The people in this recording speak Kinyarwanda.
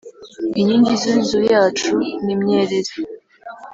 Inkingi z’inzu yacu ni imyerezi